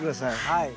はい。